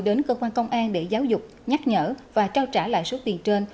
đến cơ quan công an để giáo dục nhắc nhở và trao trả lại số tiền trên